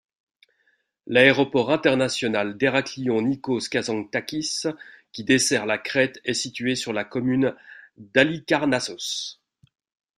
L'aéroport international d'Héraklion Níkos-Kazantzákis qui dessert la Crète est situé sur la commune d’Alikarnassós.